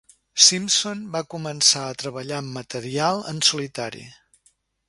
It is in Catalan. Simpson va començar a treballar en material en solitari.